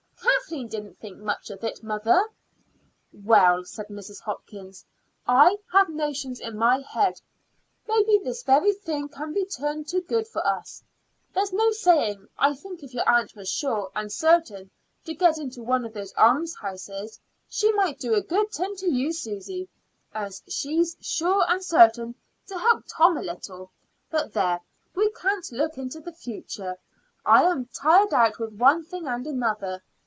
"Kathleen didn't think much of it, mother." "Well," said Mrs. Hopkins, "I have notions in my head. Maybe this very thing can be turned to good for us; there's no saying. I think if your aunt was sure and certain to get into one of those almshouses she might do a good turn to you, Susy; and she's sure and certain to help Tom a little. But there! we can't look into the future. I am tired out with one thing and another.